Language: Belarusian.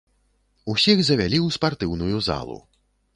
Усіх завялі ў спартыўную залу.